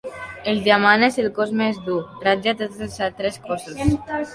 El diamant és el cos més dur: ratlla tots els altres cossos.